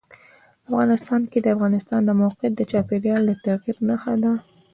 افغانستان کې د افغانستان د موقعیت د چاپېریال د تغیر نښه ده.